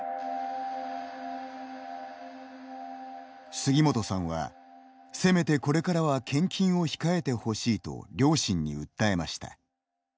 杉本さんは、せめてこれからは献金を控えてほしいと両親に訴えました。